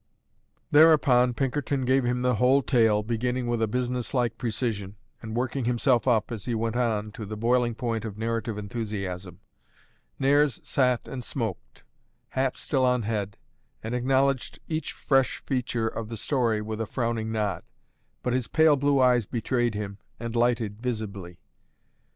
Thereupon Pinkerton gave him the whole tale, beginning with a businesslike precision, and working himself up, as he went on, to the boiling point of narrative enthusiasm. Nares sat and smoked, hat still on head, and acknowledged each fresh feature of the story with a frowning nod. But his pale blue eyes betrayed him, and lighted visibly.